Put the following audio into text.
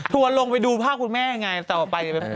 ทัวร์ลงไปดูภาพคุณแม่ยังไง